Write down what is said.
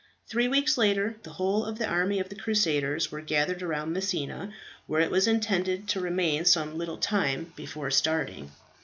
Three weeks later, the whole of the army of the Crusaders were gathered around Messina, where it was intended to remain some little time before starting.